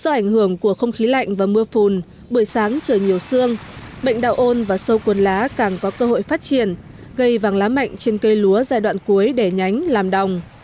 do ảnh hưởng của không khí lạnh và mưa phùn buổi sáng trời nhiều xương bệnh đạo ôn và sâu cuốn lá càng có cơ hội phát triển gây vàng lá mạnh trên cây lúa giai đoạn cuối đẻ nhánh làm đồng